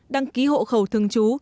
đăng ký hộ khẩu thường trú